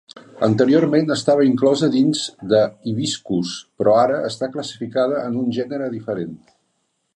Anteriorment estava inclosa dins d'"Hibiscus", però ara està classificada en un gènere diferent.